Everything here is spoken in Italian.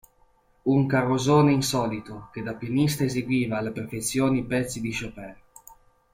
Un Carosone insolito, che da pianista eseguiva alla perfezione i pezzi di Chopin.